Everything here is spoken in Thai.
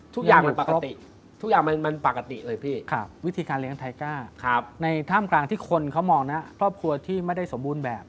ทุกอย่างมันปกติทุกอย่างมันปกติเลยพี่วิธีการเลี้ยงไทก้าในท่ามกลางที่คนเขามองนะครอบครัวที่ไม่ได้สมบูรณ์แบบ